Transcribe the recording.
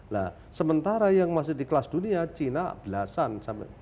nah sementara yang masih di kelas dunia china belasan sampai